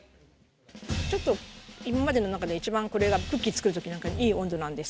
ちょっと今までの中では一番これがクッキー作るときなんかにいい温度なんですけど。